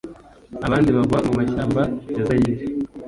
abandi bagwa mu mashyamba ya zayire